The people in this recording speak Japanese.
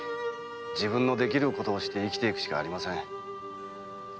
自分のできることをして生きていくしかありません。